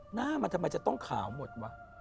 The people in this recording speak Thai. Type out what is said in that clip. หน้ามันทำไมจะต้องขาวหมดวะ